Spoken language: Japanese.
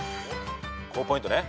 高ポイントね。